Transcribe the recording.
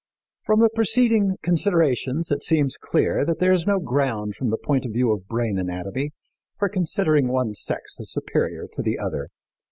From the preceding considerations it seems clear that there is no ground from the point of view of brain anatomy for considering one sex as superior to the other.